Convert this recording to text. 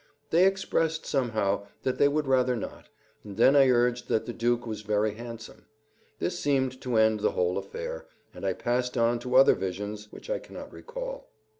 They expressed, somehow, that they would rather not, and then I urged that the Duke was very handsome. This seemed to end the whole affair, and I passed on to other visions, which I cannot recall.